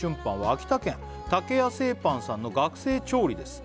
「秋田県たけや製パンさんの学生調理です」